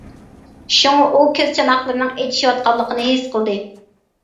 شۇڭا ئۇ كۆز چاناقلىرىنىڭ ئېچىشىۋاتقانلىقىنى ھېس قىلدى.